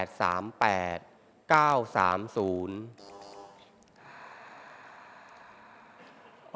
ออกรางวัลที่๔ครั้งที่๑๕